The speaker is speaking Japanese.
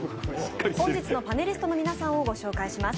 本日のパネリストの皆さんをご紹介します。